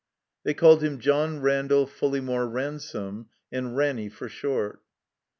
They called him John Randall Fulleymore Ran some, and Ranny for short.